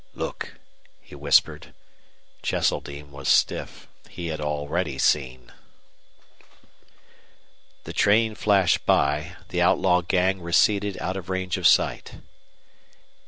"Look!" he whispered. Cheseldine was stiff. He had already seen. The train flashed by; the outlaw gang receded out of range of sight.